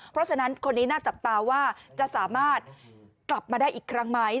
เพราะฉะนั้นคนนี้น่าจับตาว่าจะสามารถกลับมาได้อีกครั้งไหม